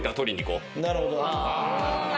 なるほど。